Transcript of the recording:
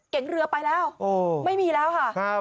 เก๋งเรือไปแล้วไม่มีแล้วค่ะ